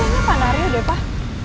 wah itu tuh pak nariudepah